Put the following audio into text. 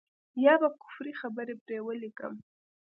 يا به کفري خبرې پرې وليکم.